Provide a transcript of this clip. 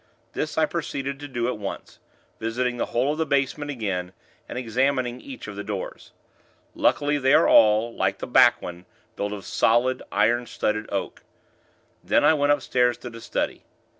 This, I proceeded to do at once; visiting the whole of the basement again, and examining each of the doors. Luckily, they are all, like the back one, built of solid, iron studded oak. Then, I went upstairs to the study.